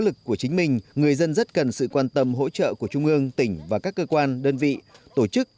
trong thời gian của chính mình người dân rất cần sự quan tâm hỗ trợ của trung ương tỉnh và các cơ quan đơn vị tổ chức